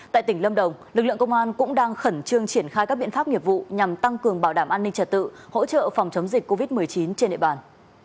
tại tỉnh lâm đồng lực lượng công an cũng đang khẩn trương triển khai các biện pháp nghiệp vụ nhằm tăng cường bảo đảm an ninh trật tự hỗ trợ phòng chống dịch covid một mươi chín trên địa bàn